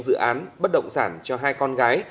dự án bất động sản cho hai con gái